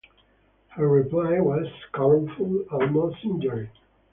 Her reply was scornful, almost injured.